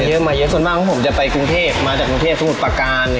เยอะมาเยอะส่วนมากของผมจะไปกรุงเทพมาจากกรุงเทพสมุทรประการ